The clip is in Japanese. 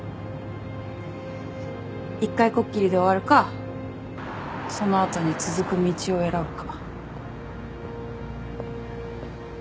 一回こっきりで終わるかその後に続く道を選ぶか。